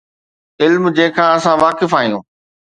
علم جنهن کان اسان واقف آهيون.